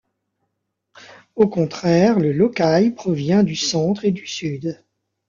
Au contraire, le Lokai provient du centre et du sud.